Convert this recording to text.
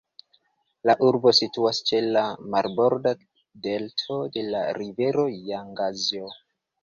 La urbo situas ĉe la marborda delto de la rivero Jangzio.